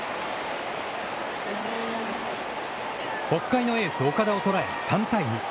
北海のエース岡田をとらえ、３対２。